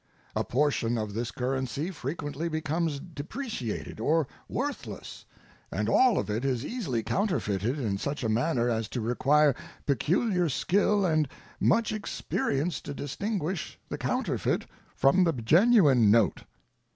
A portion of this currency frequently becamedepreciated or worthless, and all of it is easily counterfeited in such a manner as to require peculiar skill and much experience to distinguish the counterfeit from the genuine note.